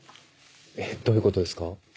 どういうことですか？